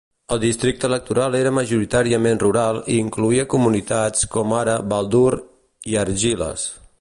El districte electoral era majoritàriament rural i incloïa comunitats com ara Baldur i Argyles.